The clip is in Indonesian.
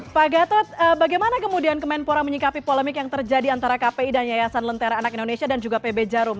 pak gatot bagaimana kemudian kemenpora menyikapi polemik yang terjadi antara kpi dan yayasan lentera anak indonesia dan juga pb jarum